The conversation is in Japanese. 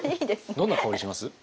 どんな香りします？